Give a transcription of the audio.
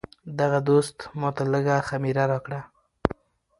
دغه دوست ماته لږه خمیره راکړه.